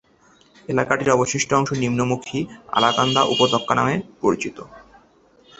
এলাকাটির অবশিষ্ট অংশ নিম্নমুখী অলকানন্দা উপত্যকা নামে পরিচিত।